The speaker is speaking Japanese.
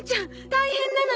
大変なのよ。